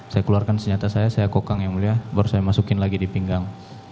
saya keluarkan senjata saya saya kokang yang mulia baru saya masukin lagi di pinggang